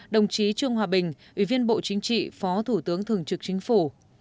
một mươi đồng chí trương hòa bình ủy viên bộ chính trị phó thủ tướng thường trực chính phủ